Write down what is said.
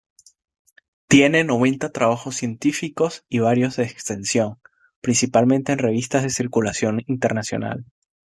Tiene noventa trabajos científicos y varios de extensión, principalmente en revistas de circulación internacional.